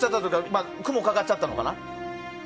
今は雲がかかっちゃったのかな。